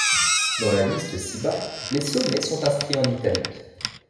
Dans la liste ci-bas, les sommets sont inscrits en italique.